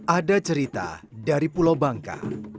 ada cerita dari pulau bangka